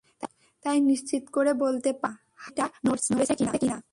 তাই নিশ্চিত করে বলতে পারেন না হাতুড়িটা নড়েছে কি না।